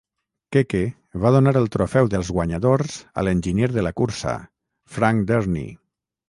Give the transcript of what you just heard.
Keke va donar el trofeu dels guanyadors a l'enginyer de la cursa, Frank Dernie.